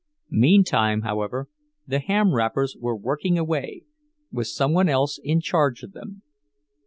Meantime, however, the ham wrappers were working away, with some one else in charge of them.